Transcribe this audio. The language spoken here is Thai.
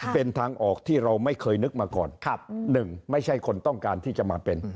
เป็นทางออกที่เราไม่เคยนึกมาก่อนหนึ่งไม่ใช่คนต้องการที่จะมาเป็น